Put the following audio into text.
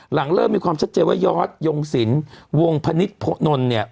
หลังเริ่มมีความชัดเจนว่ายอร์ชยงศิลป์วงพนิษฐ์โน่นนี่